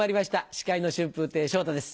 司会の春風亭昇太です。